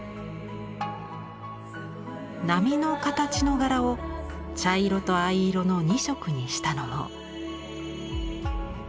波の形の柄を茶色と藍色の２色にしたのも。